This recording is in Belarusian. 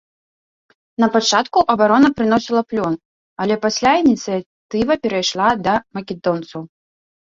На пачатку абарона прыносіла плён, але пасля ініцыятыва перайшла да македонцаў.